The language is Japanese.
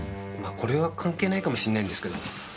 これは関係ないかもしれないんですけど。